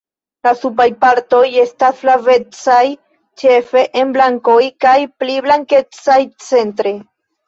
La subaj partoj estas flavecaj ĉefe en flankoj kaj pli blankecaj centre.